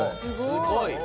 すごい。